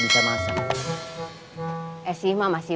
si neng mau belajar masak